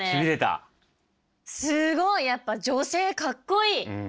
すごいやっぱ女性かっこいい！